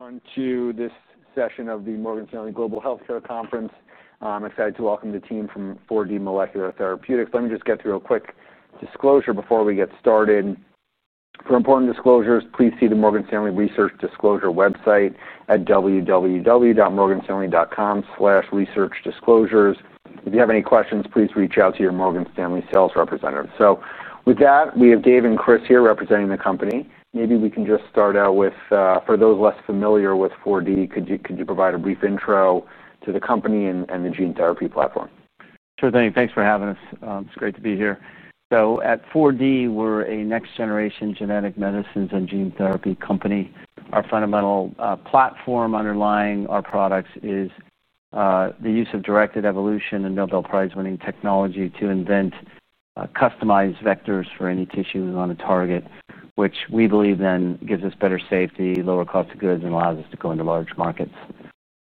On to this session of the Morgan Stanley Global Healthcare Conference. I'm excited to welcome the team from 4D Molecular Therapeutics. Let me just get through a quick disclosure before we get started. For important disclosures, please see the Morgan Stanley Research Disclosure website at www.morganstanley.com/researchdisclosures. If you have any questions, please reach out to your Morgan Stanley sales representative. We have Dave and Chris here representing the company. Maybe we can just start out with, for those less familiar with 4D, could you provide a brief intro to the company and the gene therapy platform? Sure thing. Thanks for having us. It's great to be here. At 4D, we're a next-generation genetic medicines and gene therapy company. Our fundamental platform underlying our products is the use of directed evolution and Nobel Prize-winning technology to invent customized vectors for any tissue we want to target, which we believe then gives us better safety, lower cost of goods, and allows us to go into large markets.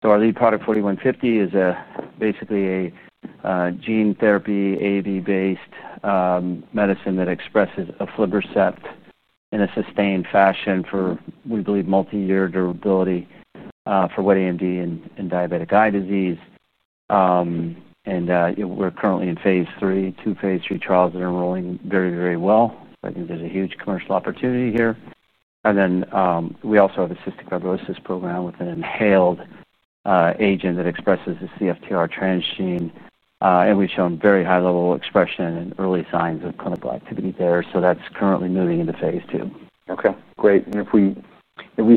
Our lead product, 4D-150, is basically a gene therapy AAV-based medicine that expresses aflibercept in a sustained fashion for, we believe, multi-year durability for wet AMD and diabetic eye disease. We're currently in phase III, two phase III trials that are rolling very, very well. I think there's a huge commercial opportunity here. We also have a cystic fibrosis program with an inhaled agent that expresses the CFTR transgene. We've shown very high-level expression and early signs of clinical activity there. That's currently moving into phase two II. Okay, great. If we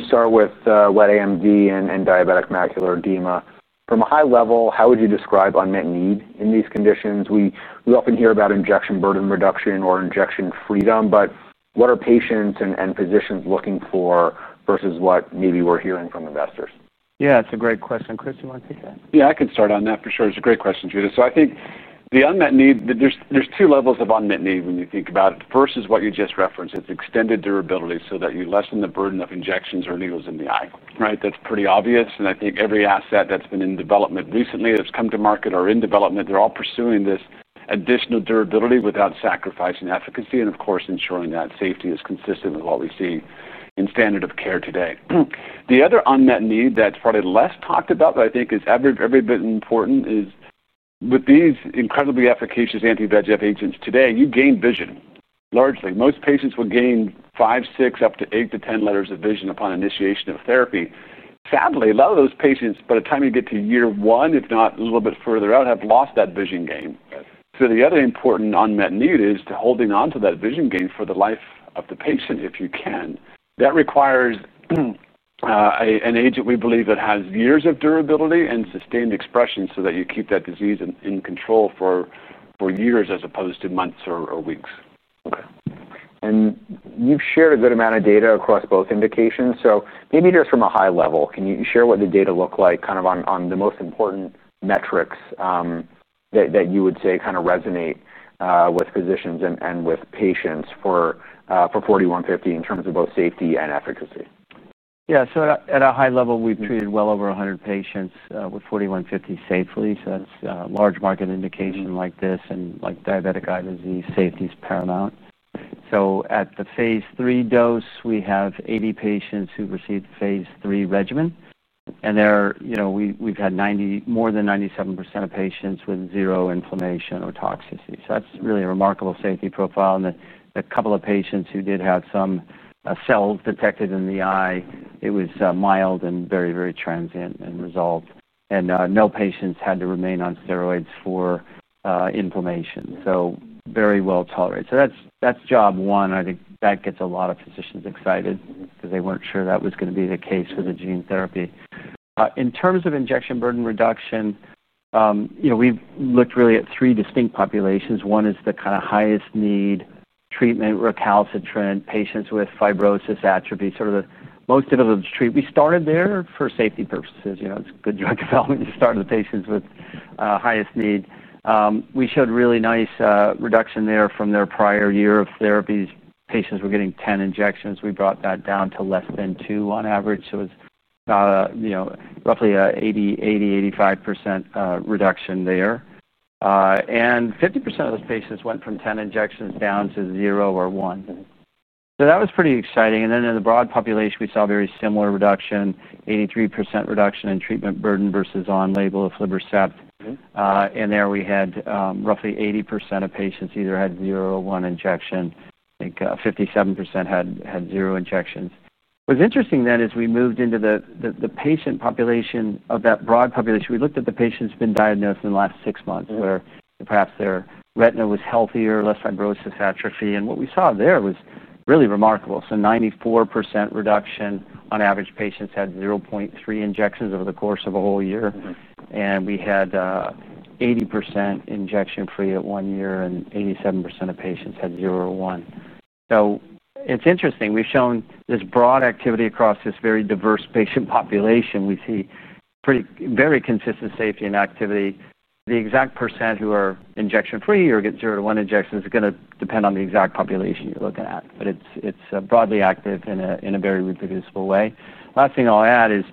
start with wet AMD and diabetic macular edema, from a high level, how would you describe unmet need in these conditions? We often hear about injection burden reduction or injection freedom, but what are patients and physicians looking for versus what maybe we're hearing from investors? Yeah, that's a great question. Chris, you want to take that? Yeah, I can start on that for sure. It's a great question, Judah. I think the unmet need, there's two levels of unmet need when you think about it. The first is what you just referenced. It's extended durability so that you lessen the burden of injections or needles in the eye. That's pretty obvious. I think every asset that's been in development recently that's come to market or in development, they're all pursuing this additional durability without sacrificing efficacy. Of course, ensuring that safety is consistent with what we see in standard of care today. The other unmet need that's probably less talked about, but I think is every bit important, is with these incredibly efficacious anti-VEGF agents today, you gain vision largely. Most patients will gain five, six, up to eight to 10 letters of vision upon initiation of therapy. Sadly, a lot of those patients, by the time you get to year one, if not a little bit further out, have lost that vision gain. The other important unmet need is to holding onto that vision gain for the life of the patient, if you can. That requires an agent we believe that has years of durability and sustained expression so that you keep that disease in control for years as opposed to months or weeks. Okay. You've shared a good amount of data across both indications. Maybe just from a high level, can you share what the data look like on the most important metrics that you would say resonate with physicians and with patients for 4D-150 in terms of both safety and efficacy? Yeah, so at a high level, we've treated well over 100 patients with 4D-150 safely. For a large market indication like this and like diabetic eye disease, safety is paramount. At the phase III dose, we have 80 patients who've received the phase III regimen. There, we've had more than 97% of patients with zero inflammation or toxicity. That's really a remarkable safety profile. A couple of patients who did have some cells detected in the eye, it was mild and very, very transient and resolved. No patients had to remain on steroids for inflammation. Very well tolerated. That's job one. I think that gets a lot of physicians excited because they weren't sure that was going to be the case with the gene therapy. In terms of injection burden reduction, we've looked really at three distinct populations. One is the kind of highest need treatment, recalcitrant patients with fibrosis, atrophy, sort of the most difficult to treat. We started there for safety purposes. It's good drug development. You start with patients with highest need. We showed really nice reduction there from their prior year of therapies. Patients were getting 10 injections. We brought that down to less than two on average. It was about, you know, roughly 80%, 85% reduction there. 50% of those patients went from 10 injections down to zero or one. That was pretty exciting. In the broad population, we saw a very similar reduction, 83% reduction in treatment burden versus on-label aflibercept. There we had roughly 80% of patients either had zero or one injection. I think 57% had zero injections. What's interesting is we moved into the patient population of that broad population. We looked at the patients who've been diagnosed in the last six months, where perhaps their retina was healthier, less fibrosis, atrophy. What we saw there was really remarkable. 94% reduction on average. Patients had 0.3 injections over the course of a whole year. We had 80% injection-free at one year, and 87% of patients had zero or one. It's interesting. We've shown this broad activity across this very diverse patient population. We see pretty very consistent safety and activity. The exact percent who are injection-free or get zero to one injections is going to depend on the exact population you're looking at. It's broadly active in a very reproducible way. Last thing I'll add is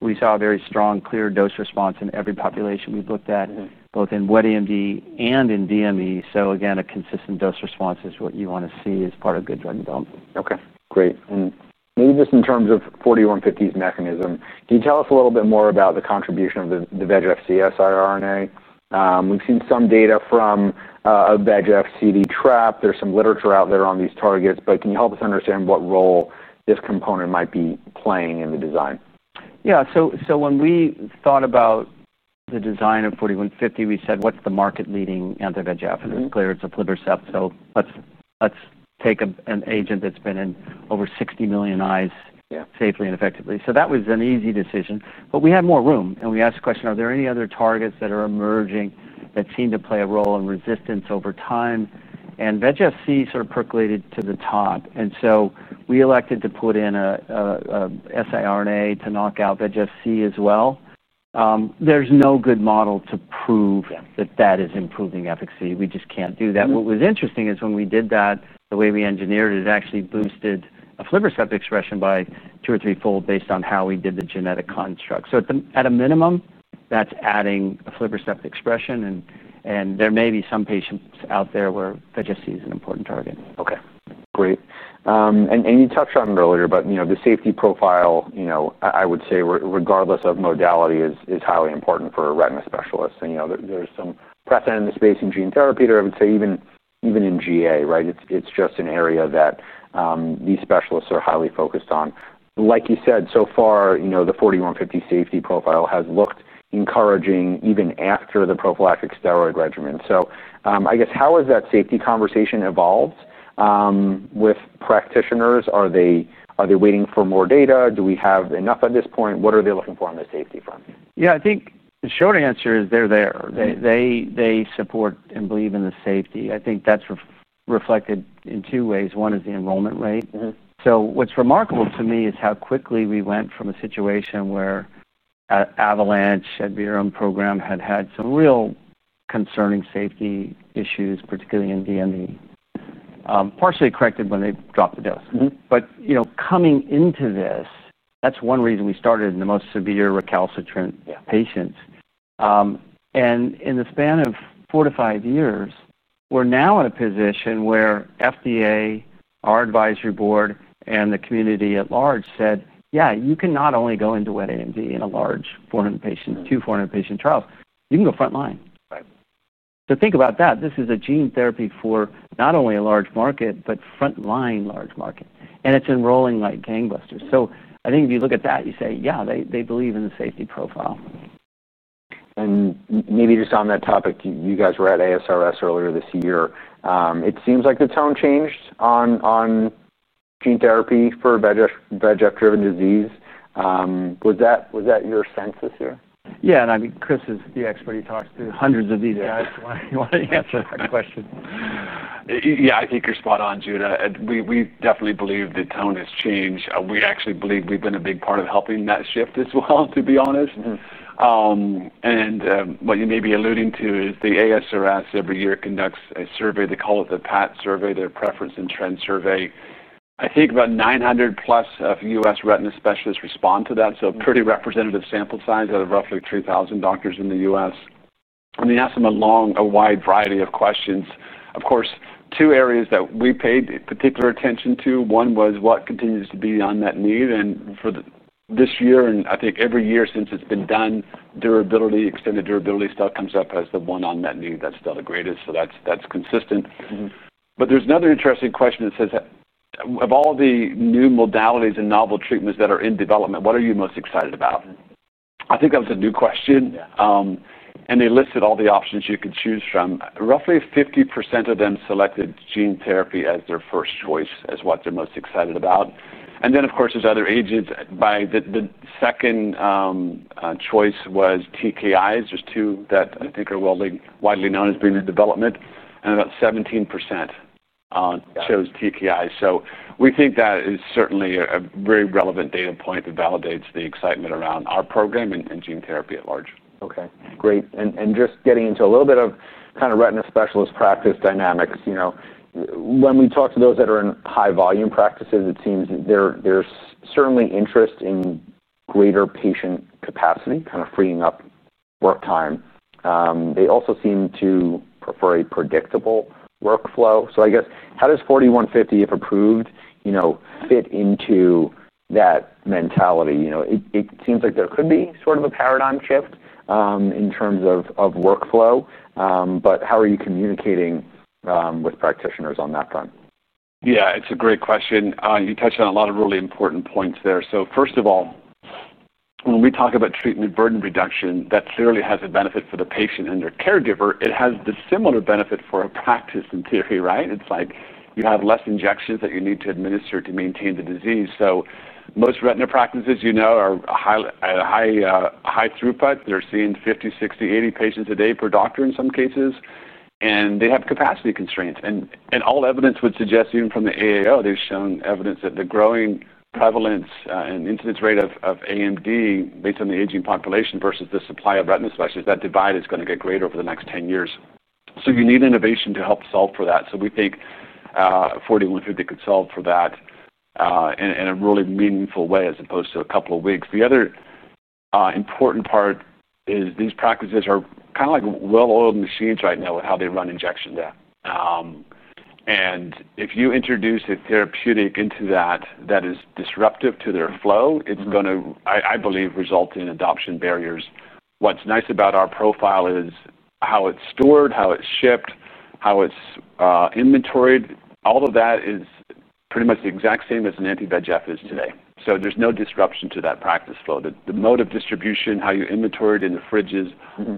we saw a very strong, clear dose response in every population we've looked at, both in wet AMD and in DME. Again, a consistent dose response is what you want to see as part of good drug development. Okay, great. Maybe just in terms of 4D-150's mechanism, can you tell us a little bit more about the contribution of the VEGF-C siRNA? We've seen some data from a VEGF-C trap. There's some literature out there on these targets, but can you help us understand what role this component might be playing in the design? Yeah, so when we thought about the design of 4D-150, we said, what's the market-leading anti-VEGF? It was clear it's aflibercept. Let's take an agent that's been in over 60 million eyes safely and effectively. That was an easy decision. We had more room, and we asked the question, are there any other targets that are emerging that seem to play a role in resistance over time? VEGF-C sort of percolated to the top, and we elected to put in an siRNA to knock out VEGF-C as well. There's no good model to prove that that is improving efficacy. We just can't do that. What was interesting is when we did that, the way we engineered it, it actually boosted aflibercept expression by two or three fold based on how we did the genetic construct. At a minimum, that's adding aflibercept expression, and there may be some patients out there where VEGF-C is an important target. Okay, great. You touched on it earlier, but the safety profile, I would say, regardless of modality, is highly important for a retina specialist. There's some precedent in the space in gene therapy, but I would say even in GA, right? It's just an area that these specialists are highly focused on. Like you said, so far, the 4D-150 safety profile has looked encouraging even after the prophylactic steroid regimen. I guess how has that safety conversation evolved with practitioners? Are they waiting for more data? Do we have enough at this point? What are they looking for on the safety front? Yeah, I think the short answer is they're there. They support and believe in the safety. I think that's reflected in two ways. One is the enrollment rate. What's remarkable to me is how quickly we went from a situation where Avalanche, Adverum program, had had some real concerning safety issues, particularly in DME. Partially corrected when they dropped the dose. Coming into this, that's one reason we started in the most severe recalcitrant patients. In the span of four to five years, we're now in a position where FDA, our advisory board, and the community at large said, yeah, you can not only go into wet AMD in a large 400 patient, two 400 patient trials. You can go front line. Think about that. This is a gene therapy for not only a large market, but front line large market. It's enrolling like gangbusters. If you look at that, you say, yeah, they believe in the safety profile. Maybe just on that topic, you guys were at ASRS earlier this year. It seems like the tone changed on gene therapy for VEGF-driven disease. Was that your sense this year? Yeah, and I mean, Chris is the expert. He talks to hundreds of these guys. Why don't you answer that question? Yeah, I think you're spot on, Judah. We definitely believe the tone has changed. We actually believe we've been a big part of helping that shift as well, to be honest. What you may be alluding to is the ASRS every year conducts a survey. They call it the PAT survey, their preference and trend survey. I think about 900+ of U.S. retina specialists respond to that, so a pretty representative sample size out of roughly 3,000 doctors in the U.S. They ask them a wide variety of questions. Of course, two areas that we paid particular attention to. One was what continues to be the unmet need. For this year, and I think every year since it's been done, durability, extended durability still comes up as the one unmet need that's still the greatest. That's consistent. There's another interesting question that says, of all the new modalities and novel treatments that are in development, what are you most excited about? I think that was a new question. They listed all the options you could choose from. Roughly 50% of them selected gene therapy as their first choice, as what they're most excited about. The other agents, the second choice was TKIs, just two that I think are widely known as being in development. About 17% chose TKI. We think that is certainly a very relevant data point that validates the excitement around our program and gene therapy at large. Okay, great. Just getting into a little bit of kind of retina specialist practice dynamics, when we talk to those that are in high volume practices, it seems that there's certainly interest in greater patient capacity, kind of freeing up work time. They also seem to prefer a predictable workflow. I guess how does 4D-150, if approved, fit into that mentality? It seems like there could be sort of a paradigm shift in terms of workflow. How are you communicating with practitioners on that front? Yeah, it's a great question. You touched on a lot of really important points there. First of all, when we talk about treatment burden reduction, that clearly has a benefit for the patient and their caregiver. It has the similar benefit for a practice in theory, right? It's like you have fewer injections that you need to administer to maintain the disease. Most retina practices are high throughput. They're seeing 50, 60, 80 patients a day per doctor in some cases, and they have capacity constraints. All evidence would suggest, even from the AAO, they've shown evidence that the growing prevalence and incidence rate of AMD based on the aging population versus the supply of retina specialties, that divide is going to get greater over the next 10 years. You need innovation to help solve for that. We think 4D-150 could solve for that in a really meaningful way as opposed to a couple of weeks. The other important part is these practices are kind of like well-oiled machines right now with how they run injection data. If you introduce a therapeutic into that that is disruptive to their flow, it's going to, I believe, result in adoption barriers. What's nice about our profile is how it's stored, how it's shipped, how it's inventoried. All of that is pretty much the exact same as an anti-VEGF is today. There's no disruption to that practice flow. The mode of distribution, how you inventory it in the fridges,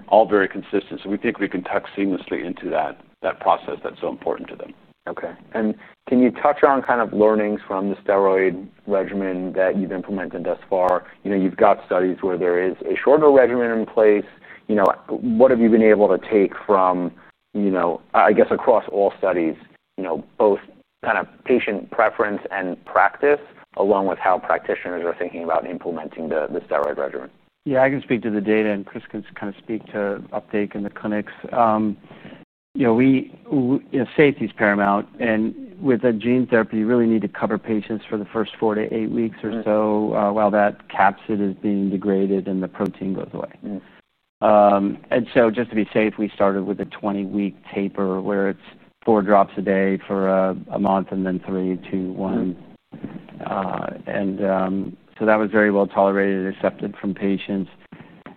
all very consistent. We think we can tuck seamlessly into that process that's so important to them. Okay. Can you touch on kind of learnings from the steroid regimen that you've implemented thus far? You've got studies where there is a shorter regimen in place. What have you been able to take from, I guess, across all studies, both kind of patient preference and practice, along with how practitioners are thinking about implementing the steroid regimen? Yeah, I can speak to the data and Chris can kind of speak to uptake in the clinics. Safety is paramount. With a gene therapy, you really need to cover patients for the first four to eight weeks or so while that capsid is being degraded and the protein goes away. Just to be safe, we started with a 20-week taper where it's four drops a day for a month and then three, two, one. That was very well tolerated and accepted from patients.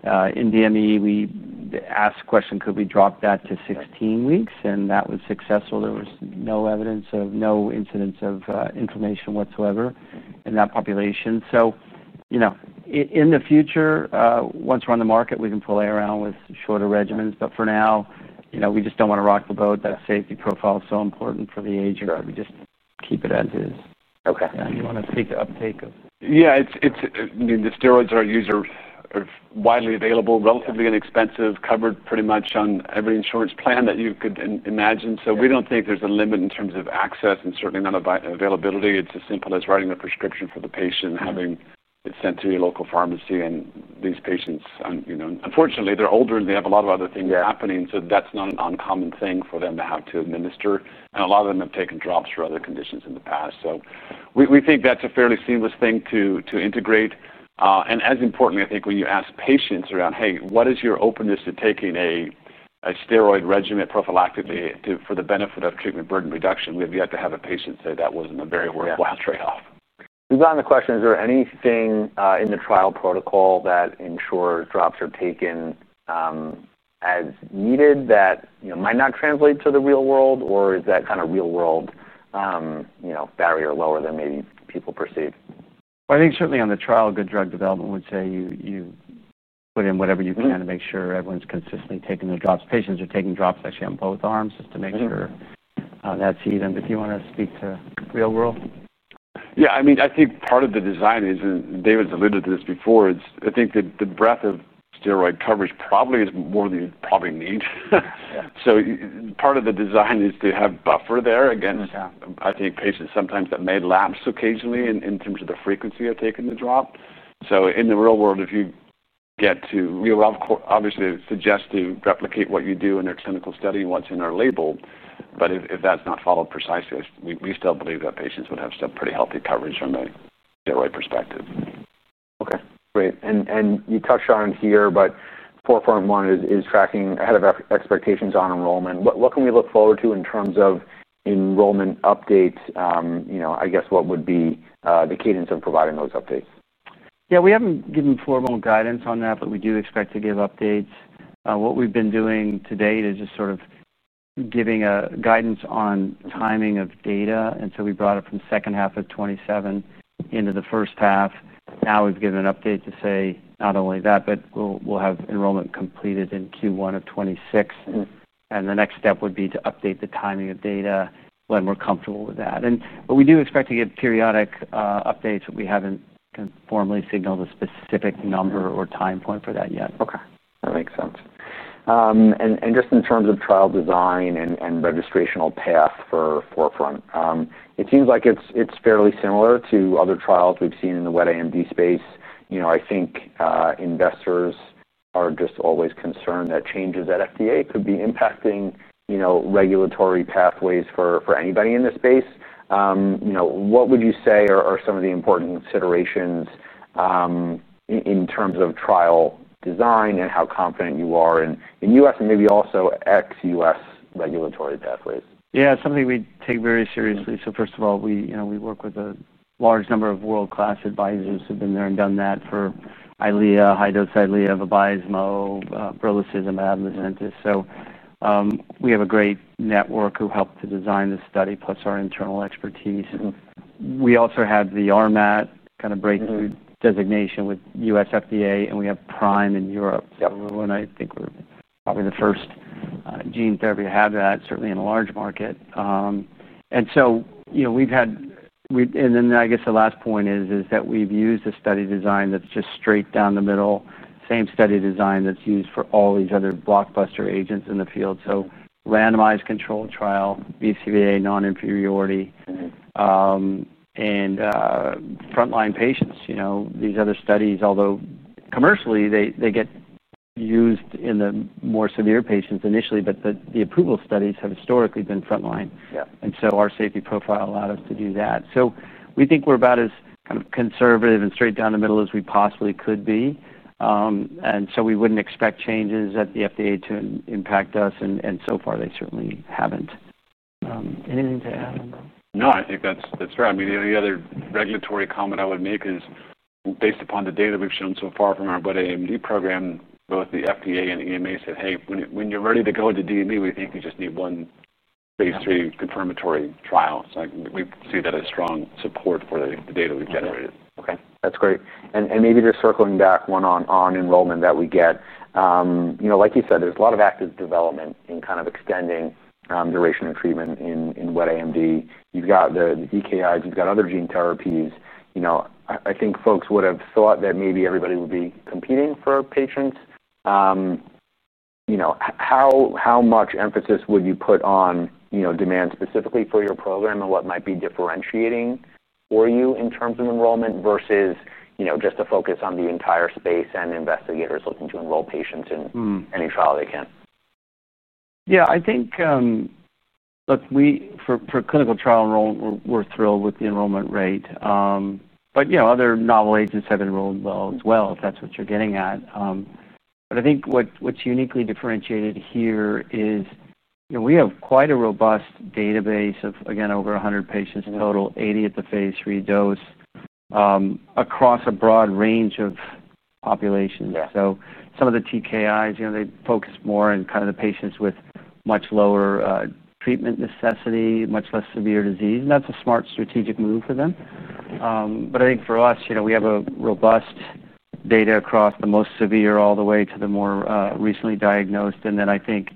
In DME, we asked the question, could we drop that to 16 weeks? That was successful. There was no evidence of, no incidence of inflammation whatsoever in that population. In the future, once we're on the market, we can play around with shorter regimens. For now, we just don't want to rock the boat. That safety profile is so important for the age. We just keep it as is. Okay. You want to speak to uptake of? Yeah, the steroids are widely available, relatively inexpensive, covered pretty much on every insurance plan that you could imagine. We don't think there's a limit in terms of access and certainly not availability. It's as simple as writing a prescription for the patient and having it sent to your local pharmacy. These patients, unfortunately, they're older and they have a lot of other things happening. That's not an uncommon thing for them to have to administer. A lot of them have taken drops for other conditions in the past. We think that's a fairly seamless thing to integrate. As important, I think when you ask patients around, hey, what is your openness to taking a steroid regimen prophylactically for the benefit of treatment burden reduction? We have yet to have a patient say that wasn't a very worthwhile trade-off. Is there anything in the trial protocol that ensures drops are taken as needed that might not translate to the real world? Is that kind of real-world barrier lower than maybe people perceive? I think certainly on the trial, good drug development would say you put in whatever you can to make sure everyone's consistently taking their drops. Patients are taking drops actually on both arms just to make sure that's easy. If you want to speak to the real world? Yeah, I mean, I think part of the design is, and David's alluded to this before, I think that the breadth of steroid coverage probably is more than you probably need. Part of the design is to have buffer there against, I think, patients sometimes that may lapse occasionally in terms of the frequency of taking the drop. In the real world, if you get to, we will obviously suggest to replicate what you do in their clinical study and what's in our label. If that's not followed precisely, we still believe that patients would have some pretty healthy coverage from a steroid perspective. Okay, great. You touched on here, but 4D-150 is tracking ahead of expectations on enrollment. What can we look forward to in terms of enrollment updates? I guess what would be the cadence of providing those updates? Yeah, we haven't given formal guidance on that, but we do expect to give updates. What we've been doing to date is just sort of giving guidance on timing of data. We brought it from the second half of 2027 into the first half. Now we've given an update to say not only that, but we'll have enrollment completed in Q1 of 2026. The next step would be to update the timing of data when we're comfortable with that. We do expect to give periodic updates, but we haven't formally signaled a specific number or time point for that yet. Okay, that makes sense. In terms of trial design and registrational path for Forefront, it seems like it's fairly similar to other trials we've seen in the wet AMD space. I think investors are just always concerned that changes at the FDA could be impacting regulatory pathways for anybody in this space. What would you say are some of the important considerations in terms of trial design and how confident you are in U.S. and maybe also ex-U.S. regulatory pathways? Yeah, it's something we take very seriously. First of all, we work with a large number of world-class advisors who've been there and done that for EYLEA, high-dose EYLEA, VABYSMO, Brolucizumab. We have a great network who helped to design this study, plus our internal expertise. We also have the RMAT kind of breakthrough designation with the U.S. FDA, and we have PRIME in Europe. I think we're probably the first gene therapy to have that, certainly in a large market. We've used a study design that's just straight down the middle, same study design that's used for all these other blockbuster agents in the field. Randomized control trial, BCVA, non-inferiority, and frontline patients. These other studies, although commercially, they get used in the more severe patients initially, the approval studies have historically been frontline. Our safety profile allowed us to do that. We think we're about as conservative and straight down the middle as we possibly could be. We wouldn't expect changes at the FDA to impact us, and so far they certainly haven't. Anything to add on that? No, I think that's fair. I mean, the only other regulatory comment I would make is based upon the data we've shown so far from our wet AMD program, both the FDA and EMA said, hey, when you're ready to go into DME, we think you just need one phase III confirmatory trial. We see that as strong support for the data we've generated. Okay, that's great. Maybe just circling back on enrollment that we get, like you said, there's a lot of active development in kind of extending duration of treatment in wet AMD. You've got the EKIs, you've got other gene therapies. I think folks would have thought that maybe everybody would be competing for patients. How much emphasis would you put on demand specifically for your program and what might be differentiating for you in terms of enrollment versus just to focus on the entire space and investigators looking to enroll patients in any trial they can? I think, look, for clinical trial enrollment, we're thrilled with the enrollment rate. Other novel agents have enrolled well as well, if that's what you're getting at. I think what's uniquely differentiated here is, we have quite a robust database of, again, over 100 patients total, 80 at the phase III dose, across a broad range of populations. Some of the TKIs, they focus more on kind of the patients with much lower treatment necessity, much less severe disease. That's a smart strategic move for them. I think for us, we have robust data across the most severe all the way to the more recently diagnosed. I think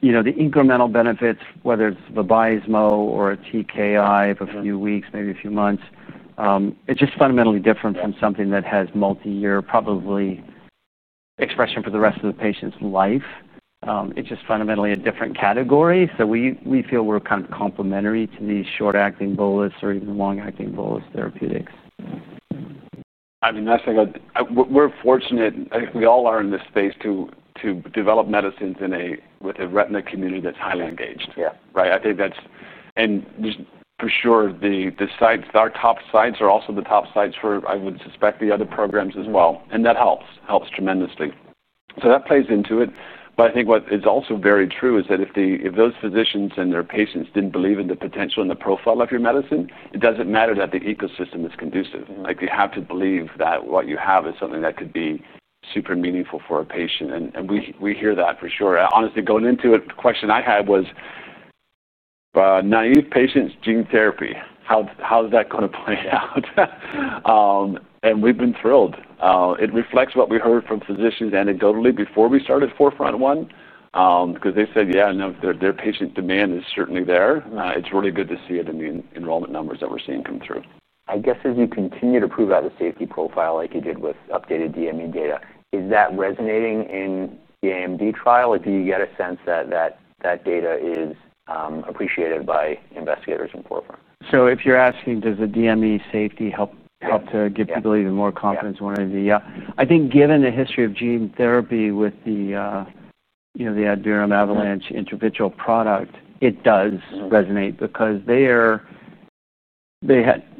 the incremental benefits, whether it's VABYSMO or a TKI of a few weeks, maybe a few months, it's just fundamentally different from something that has multi-year probably expression for the rest of the patient's life. It's just fundamentally a different category. We feel we're kind of complementary to these short-acting bolus or even long-acting bolus therapeutics. I mean, I think we're fortunate, I think we all are in this space to develop medicines with a retina community that's highly engaged. Right? I think that's, and just for sure, the sites, our top sites are also the top sites for, I would suspect, the other programs as well. That helps tremendously. That plays into it. I think what is also very true is that if those physicians and their patients didn't believe in the potential and the profile of your medicine, it doesn't matter that the ecosystem is conducive. You have to believe that what you have is something that could be super meaningful for a patient. We hear that for sure. Honestly, going into it, the question I had was, naive patients' gene therapy, how does that kind of play out? We've been thrilled. It reflects what we heard from physicians anecdotally before we started 4FRONT-1 because they said, yeah, no, their patient demand is certainly there. It's really good to see it in the enrollment numbers that we're seeing come through. I guess as you continue to prove out a safety profile like you did with updated DME data, is that resonating in the AMD trial? Do you get a sense that that data is appreciated by investigators in 4FRONT? If you're asking, does the DME safety help to give people even more confidence in one of the, I think given the history of gene therapy with the, you know, the Adverum Avalanche intravitreal product, it does resonate because they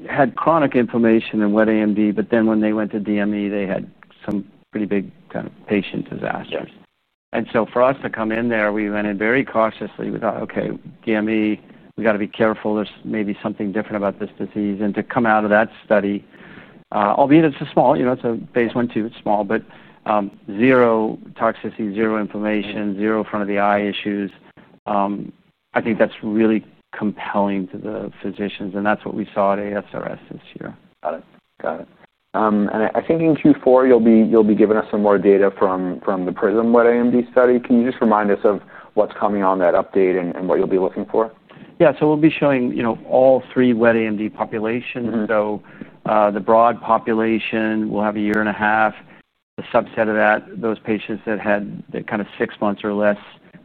had chronic inflammation in wet AMD, but when they went to DME, they had some pretty big kind of patient disasters. For us to come in there, we went in very cautiously. We thought, okay, DME, we got to be careful. There's maybe something different about this disease. To come out of that study, albeit it's a small, you know, it's a phase I, II it's small, but zero toxicity, zero inflammation, zero front of the eye issues. I think that's really compelling to the physicians. That's what we saw at ASRS this year. Got it. I think in Q4, you'll be giving us some more data from the PRISM wet AMD study. Can you just remind us of what's coming on that update and what you'll be looking for? Yeah, we'll be showing all three wet AMD populations. The broad population will have a year and a half. The subset of that, those patients that had kind of six months or less,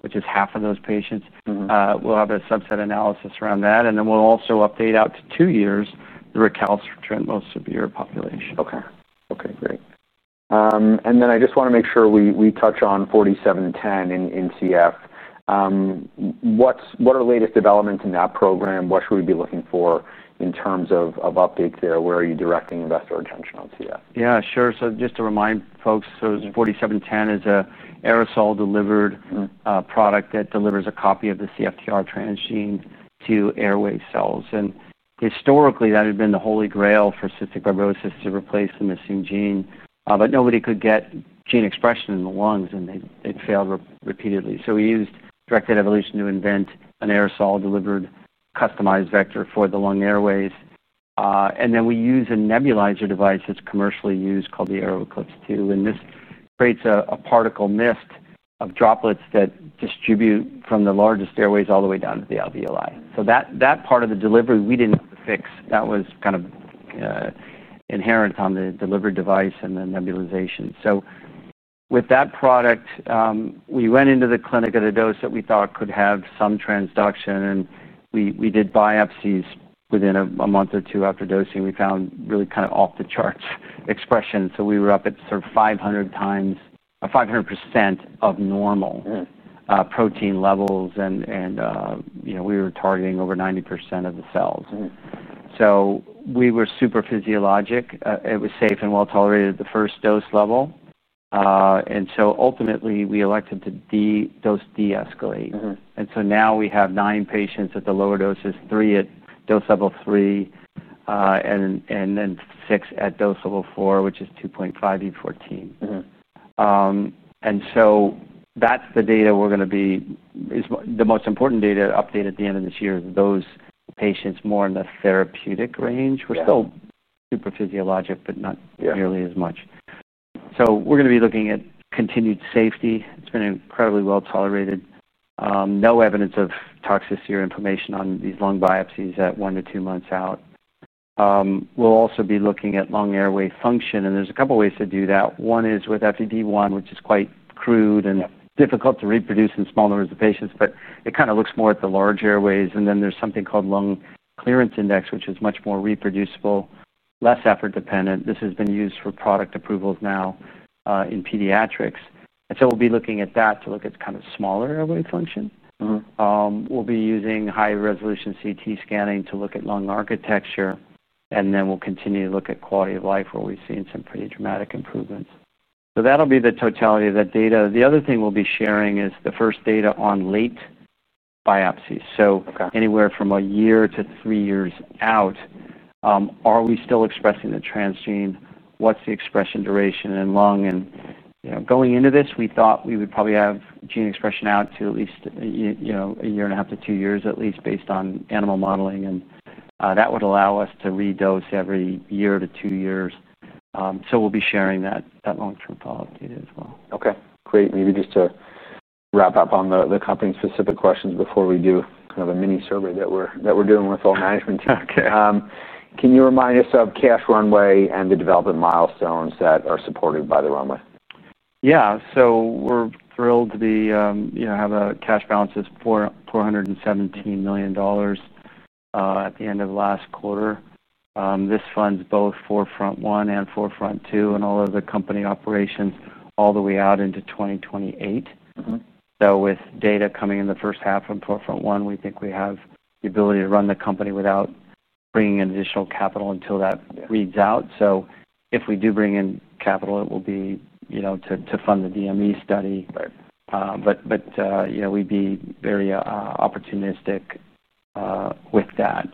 which is half of those patients, we'll have a subset analysis around that. We'll also update out to two years, the recalcitrant most severe population. Okay, great. I just want to make sure we touch on 4D-710 in CF. What are the latest developments in that program? What should we be looking for in terms of updates there? Where are you directing investor attention on CF? Yeah, sure. Just to remind folks, 4D-710 is an aerosol-delivered product that delivers a copy of the CFTR transgene to airway cells. Historically, that had been the holy grail for cystic fibrosis to replace the missing gene, but nobody could get gene expression in the lungs, and they failed repeatedly. We used directed evolution to invent an aerosol-delivered customized vector for the lung airways. We use a nebulizer device that's commercially used called the AeroEclipse II. This creates a particle mist of droplets that distribute from the largest airways all the way down to the alveoli. That part of the delivery, we didn't fix. That was kind of inherent on the delivery device and the nebulization. With that product, we went into the clinic at a dose that we thought could have some transduction. We did biopsies within a month or two after dosing. We found really kind of off-the-charts expression. We were up at sort of 500x, 500% of normal protein levels, and we were targeting over 90% of the cells. We were super physiologic. It was safe and well tolerated at the first dose level. Ultimately, we elected to dose de-escalate. Now we have nine patients at the lower doses, three at dose level three, and six at dose level four, which is 2.5E14. That's the data we're going to be, is the most important data to update at the end of this year, is those patients more in the therapeutic range. We're still super physiologic, but not nearly as much. We're going to be looking at continued safety. It's been incredibly well tolerated. No evidence of toxicity or inflammation on these lung biopsies at one to two months out. We'll also be looking at lung airway function, and there's a couple of ways to do that. One is with FEV1, which is quite crude and difficult to reproduce in small numbers of patients, but it kind of looks more at the large airways. There's something called lung clearance index, which is much more reproducible, less effort dependent. This has been used for product approvals now in pediatrics. We'll be looking at that to look at kind of smaller airway function. We'll be using high-resolution CT scanning to look at lung architecture. We'll continue to look at quality of life, where we've seen some pretty dramatic improvements. That'll be the totality of that data. The other thing we'll be sharing is the first data on late biopsies. Anywhere from a year to three years out, are we still expressing the transgene? What's the expression duration in lung? Going into this, we thought we would probably have gene expression out to at least a year and a half to two years, at least based on animal modeling. That would allow us to re-dose every year to two years. We'll be sharing that long-term follow-up data as well. Okay, great. Maybe just to wrap up on the company's specific questions before we do kind of a mini survey that we're doing with all management. Okay, can you remind us of cash runway and the development milestones that are supported by the runway? Yeah, we're thrilled to have a cash balance of $417 million at the end of last quarter. This funds both Forefront One and Forefront Two and all of the company operations all the way out into 2028. With data coming in the first half of Forefront One, we think we have the ability to run the company without bringing in additional capital until that reads out. If we do bring in capital, it will be to fund the DME study. We'd be very opportunistic with that.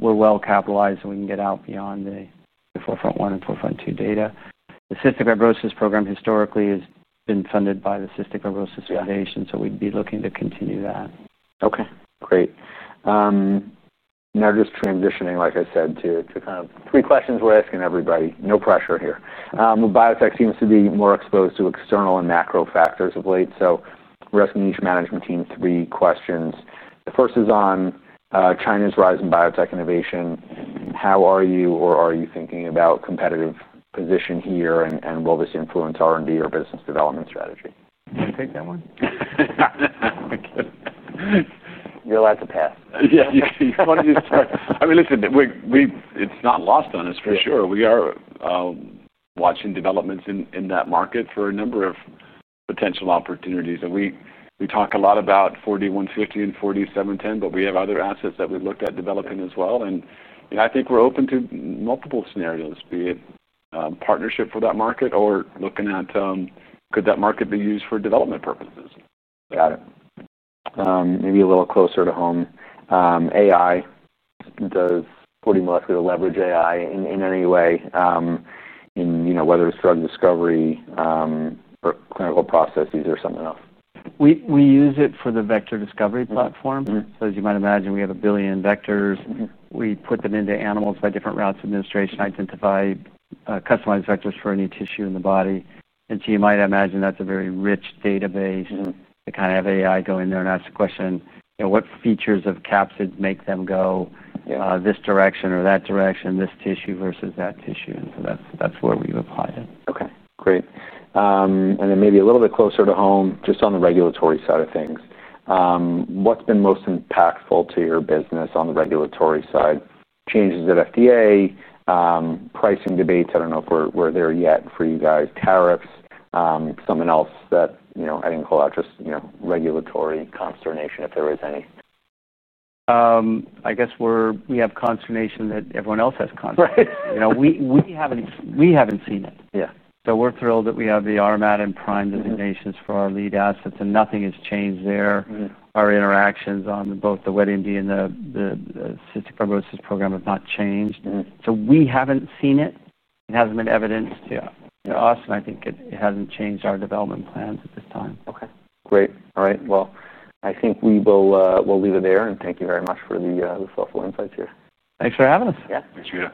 We're well capitalized and we can get out beyond the 4FRONT-1 and 4FRONT-2 data. The cystic fibrosis program historically has been funded by the Cystic Fibrosis Foundation. We'd be looking to continue that. Okay, great. Now just transitioning, like I said, to kind of three questions we're asking everybody. No pressure here. Biotech seems to be more exposed to external and macro factors of late. We're asking each management team three questions. The first is on China's rise in biotech innovation. How are you, or are you thinking about competitive position here? Will this influence R&D or business development strategy? Take that one. You're allowed to pet. Yeah, you want to use the right. It's not lost on us for sure. We are watching developments in that market for a number of potential opportunities. We talk a lot about 4D-150 and 4D-710, but we have other assets that we look at developing as well. I think we're open to multiple scenarios, be it partnership for that market or looking at could that market be used for development purposes. Got it. Maybe a little closer to home. AI, does 4D Molecular leverage AI in any way in, you know, whether it's drug discovery or clinical processes or something else? We use it for the vector discovery platform. As you might imagine, we have a billion vectors. We put them into animals by different routes of administration, identify customized vectors for any tissue in the body. You might imagine that's a very rich database to have AI go in there and ask the question, you know, what features of capsids make them go this direction or that direction, this tissue versus that tissue. That's where we apply it. Okay, great. Maybe a little bit closer to home, just on the regulatory side of things. What's been most impactful to your business on the regulatory side? Changes at FDA, pricing debates, I don't know if we're there yet for you guys, tariffs, something else that I didn't call out, just regulatory consternation if there is any. I guess we have consternation that everyone else has. Right. You know, we haven't seen it. Yeah. We're thrilled that we have the RMAT and PRIME designations for our lead assets, and nothing has changed there. Our interactions on both the wet AMD and the cystic fibrosis program have not changed. We haven't seen it. It hasn't been evidenced to us, and I think it hasn't changed our development plans at this time. Okay, great. All right. I think we will leave it there, and thank you very much for the thoughtful insights here. Thanks for having us. Yeah, appreciate it.